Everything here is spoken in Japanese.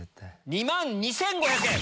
２万２５００円。